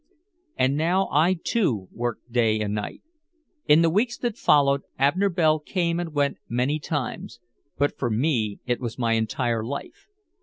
And now I too worked day and night. In the weeks that followed, Abner Bell came and went many times, but for me it was my entire life.